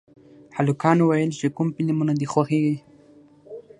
هلکانو ویل چې کوم فلمونه دي خوښېږي